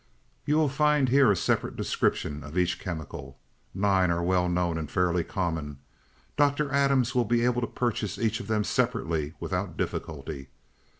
"'You will find here a separate description of each chemical. Nine are well known and fairly common. Dr. Adams will be able to purchase each of them separately without difficulty.